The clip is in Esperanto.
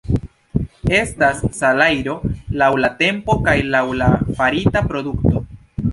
Estas salajro laŭ la tempo kaj laŭ la farita produkto.